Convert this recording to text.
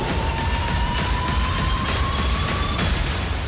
เปิดค่ะ